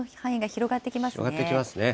広がってきますね。